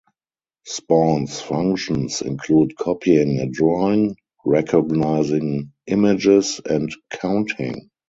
Spaun's functions include copying a drawing, recognizing images, and counting.